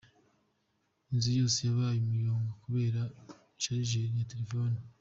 Inzu yose yabaye umuyonga kubera Chargeur ya telefoni.